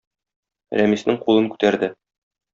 Рәмиснең кулын күтәрде